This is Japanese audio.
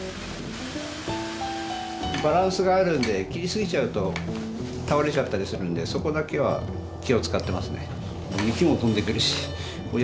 バランスがあるんで切りすぎちゃうと倒れちゃったりするんでそこだけは気を遣ってますね。